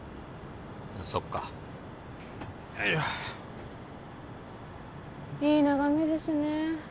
そっかよいしょいい眺めですね